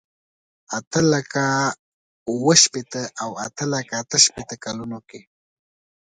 اته لکه اوه شپېته او اته لکه اته شپېته کلونو کې.